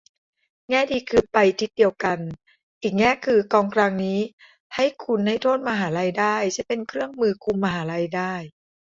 แง่ดีคือไปทิศเดียวกัน อีกแง่คือกองกลางนี้ให้คุณให้โทษมหาลัยได้ ใช้เป็นเครื่องมือคุมมหาลัยได้